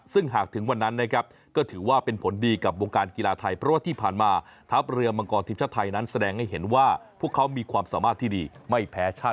ซึ่งหากถึงวันนั้นนะครับก็ถือว่าเป็นผลดีกับวงการกีฬาไทย